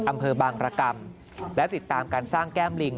อำเภอบางรกรรมและติดตามการสร้างแก้มลิง